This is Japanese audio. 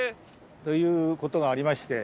ということがありまして。